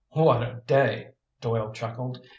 "What a day!" Doyle chuckled.